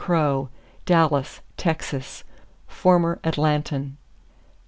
CROW, Dallas, Texas, former Atlantan.